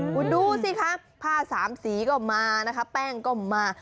คุณดูสิคะผ้าสามสีก็มานะคะแป้งก็มา